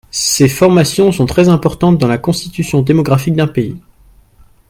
Ces formations sont très importantes dans la constitution démographique d’un pays.